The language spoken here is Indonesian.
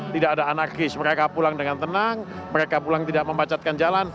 tidak ada anarkis mereka pulang dengan tenang mereka pulang tidak membacatkan jalan